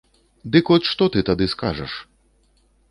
Дык от што ты тады скажаш?